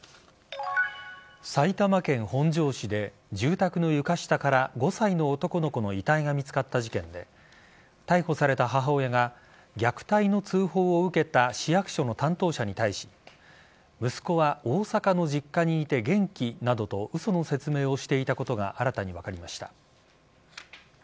埼玉県本庄市で住宅の床下から５歳の男の子の遺体が見つかった事件で逮捕された母親が虐待の通報を受けた市役所の担当者に対し息子は大阪の実家にいて元気などと嘘の説明をしていたことが新たに分かりました。